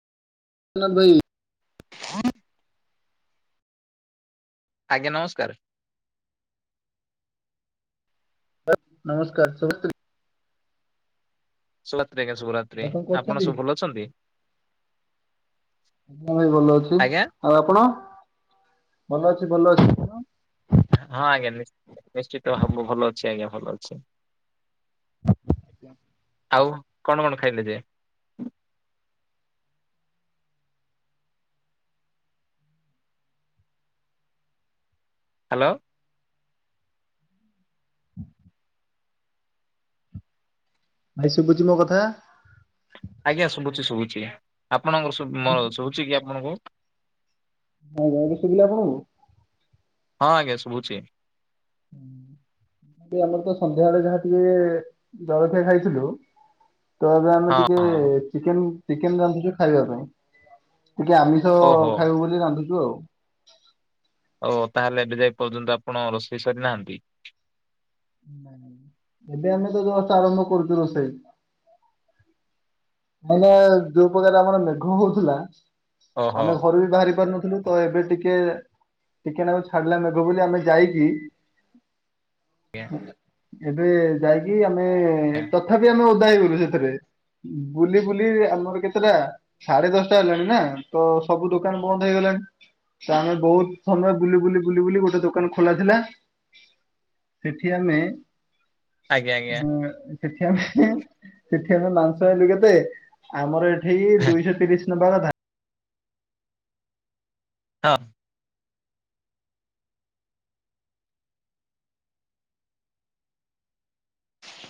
[unintelligible] [inaudible] ଆଜ୍ଞା, ନମସ୍କାର। ନମସ୍କାର, ଶୁଭୁଛି। ଶୁଭରାତ୍ରି। ଆଜ୍ଞା, ଶୁଭରାତ୍ରି। ଭାଇ କଣ ଆପଣ କରୁଛନ୍ତି? ସବୁ ଭଲ ଅଛନ୍ତି। ଭାଇ, ଭଲ ଅଛି। ଆଜ୍ଞା? ଆଉ ଆପଣ। ହଁ, ଆଜ୍ଞା। ନିଶ୍-ନିଶ୍ଚିତ ଭାବୁ ଭଲ ଅଛି। ଆଜ୍ଞା, ଭଲ ଅଛି। ଆଜ୍ଞା। ଆଉ କଣ କଣ ଖାଇଲେ ଯେ? ହ୍ୟାଲୋ। ଭାଇ, ଶୁଭୁଛି ମୋ କଥା। ଆଜ୍ଞା, ଶୁଭୁଛି। ଶୁଭୁଛି, ଆପଣଙ୍କର ଶୁଭୁ-ଶୁଭୁଛି କି ଆପଣଙ୍କୁ। ଭଲଭାବେ ଶୁଭିଲା ଆଣଙ୍କୁ। ହଁ, ଆଜ୍ଞା ଶୁଭୁଛି। ହୁଁ। ଆମର ତ ସନ୍ଧ୍ୟାବେଳେ ଯାହା ଟିକେ ଜଳଖିଆ ଖାଇଥିଲୁ। ତ ଏବେ ଆମେ ହଁ ଟିକେ ହଁ। ଚିକେନ ଚିକେନ ରାନ୍ଧିଚୁ ଖାଇବା ପାଇଁ। ଟିକେ ଆମିଷ ମାଛ ଓହୋ ଖାଇବୁ ବୋଲି ରାନ୍ଧୁଛୁ ଆଉ। ଓ, ତା ହେଲେ ଏବେ ଯାଏ ପର୍ଯ୍ୟନ୍ତ ଆପଣ ରୋଷେଇ ସାରିନାହାନ୍ତି। ନାଇଁ ନାଇଁ, ଏବେ ଆମେ ଦି ଜଣ ଆରମ୍ଭ କରୁଛୁ ରୋଷେଇ। ହେଲେ ଯୋଉ ପ୍ରକାର ଆମର ମେଘ ହଉଥିଲା, ଓହୋ। ଆମେ ଘରୁ ବି ବାହାରି ପାରୁନଥିଲୁ। ତ ଏବେ ଟିକେ, ଟିକେ ନାକୁ ଛାଡିଲା ମେଘ ବୋଲି ଆମେ ଯାଇକି ଆଜ୍ଞା [inaudible] ଏବେ ଯାଇକି ଆମେ ତଥାପି ଆମେ ଓଦା ହେଇଗଲୁ ସେଥେରେ। ବୁଲି ବୁଲି ଆମର କେତେଟା? ସାଢେ ଦଶଟା ହେଲାଣି ନା। ତ, ସବୁ ଦୋକାନ ବନ୍ଦ ହେଇଗଲାଣି। ତ, ଆମେ ବହୁତ ସମୟ ବୁଲି ବୁଲି ବୁଲି ବୁଲି ଗୋଟେ ଦୋକାନ ଖୋଲା ଥିଲା। ସେଠି ଆମେ ଆଜ୍ଞା ଆଜ୍ଞା। ହଁ, ସେଠି ଆମେ, ସେଠି ଆମେ ମାଂସ ଆଇଁଲୁ କେତେ? ଆମର ସେଇ ଦୁଇ ଶହ ତିରିଶ ଖଣ୍ଡ ଧା [inaudible]